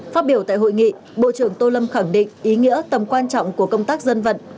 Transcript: phát biểu tại hội nghị bộ trưởng tô lâm khẳng định ý nghĩa tầm quan trọng của công tác dân vận